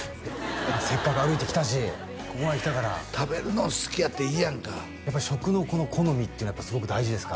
せっかく歩いてきたしここまで来たから食べるの好きやっていいやんか食の好みっていうのはすごく大事ですか？